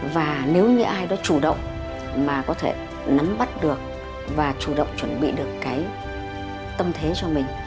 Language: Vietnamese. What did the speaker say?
và nếu như ai đó chủ động mà có thể nắm bắt được và chủ động chuẩn bị được cái tâm thế cho mình